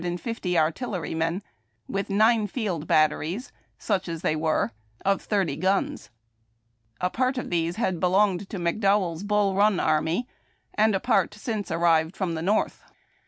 and fifty artillerymen, with nine field batteries, such as they 252 HAED TACK AND COFFEE. were, of tliivty guns. A part of these liad belonged to McDowell's Bull Run arni}^ and a part had since arrived from the North.